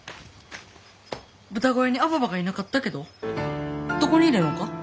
豚小屋にアババがいなかったけどどこにいるのか？